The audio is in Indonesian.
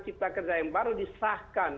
cipta kerja yang baru disahkan